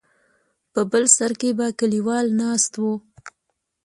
په بل سر کې به کليوال ناست ول.